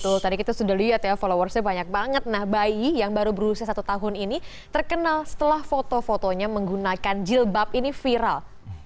betul tadi kita sudah lihat ya followersnya banyak banget nah bayi yang baru berusia satu tahun ini terkenal setelah foto fotonya menggunakan jilbab ini viral